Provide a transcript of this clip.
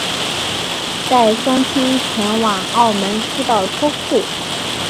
带双亲前往澳门输到脱裤